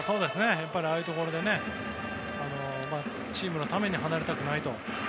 やっぱりああいうところでチームのために離れたくないと。